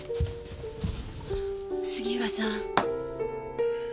杉浦さん。